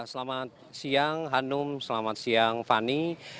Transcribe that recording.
selamat siang hanum selamat siang fani